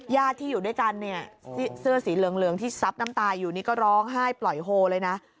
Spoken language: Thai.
ญาติที่อยู่ด้วยกันเนี่ยเสื้อสีเหลืองที่ซับน้ำตาอยู่นี่ก็ร้องไห้ปล่อยโฮเลยนะ